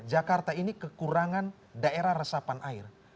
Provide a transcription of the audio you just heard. jakarta ini kekurangan daerah resapan air